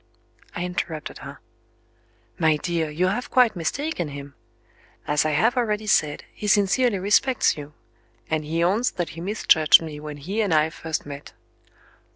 I interrupted her. "My dear, you have quite mistaken him. As I have already said, he sincerely respects you and he owns that he misjudged me when he and I first met."